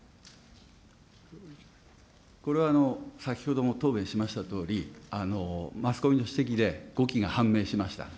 これは先ほども答弁しましたとおり、マスコミの指摘で誤記が判明しました。